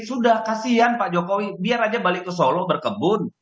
sudah kasihan pak jokowi biar aja balik ke solo berkebun